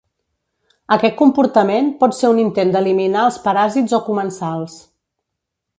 Aquest comportament pot ser un intent d'eliminar els paràsits o comensals.